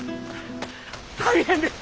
大変です！